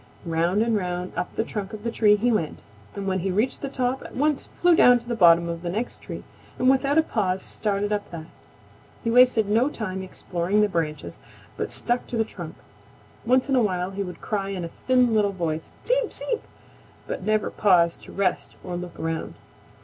Round and round up the trunk of the tree he went, and when he reached the top at once flew down to the bottom of the next tree and without a pause started up that. He wasted no time exploring the branches, but stuck to the trunk. Once in a while he would cry in a thin little voice, "Seep! Seep!" but never paused to rest or look around.